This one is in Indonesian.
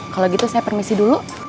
kalau gitu saya permisi dulu